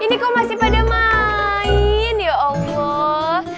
ini kok masih pada main ya allah